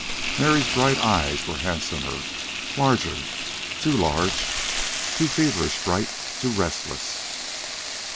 Mary's bright eyes were handsomer, larger too large, too feverish bright, too restless.